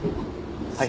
はい。